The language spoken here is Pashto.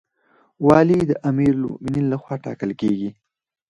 والی د امیرالمؤمنین لخوا ټاکل کیږي